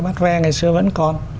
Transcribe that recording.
bắt ve ngày xưa vẫn còn